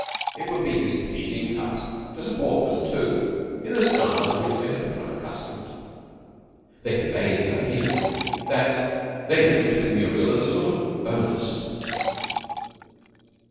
It would be his pleasing task to support them, too, in the style to which they had become accustomed. They conveyed the idea that they went with Muriel as a sort of bonus.